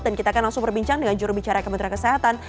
dan kita akan langsung berbincang dengan jurubicara kementerian kesehatan